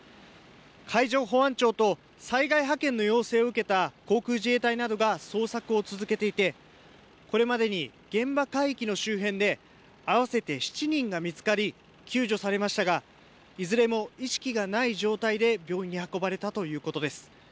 海上保安庁と災害派遣の要請を受けた航空自衛隊などが捜索を続けていてこれまでに現場海域の周辺で合わせて７人が見つかり救助されましたが、いずれも意識がない状態で病院に運ばれたということです。